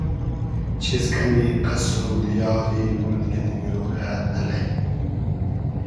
چیز کئنی قئسر و دیاری مولگی دیگرۉ رۂ الݷ